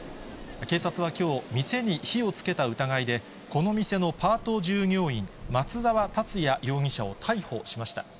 警察はきょう、店に火をつけた疑いでこの店のパート従業員、松沢達也容疑者を逮捕しました。